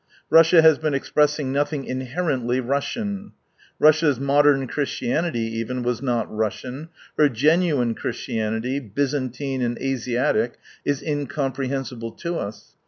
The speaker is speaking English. Russia has been expressing nothing inherency Russian. Russians modern Christianity even was not Russian. Her genuine Christianity, Byzantine and Asiatic, is incomprehensible to us.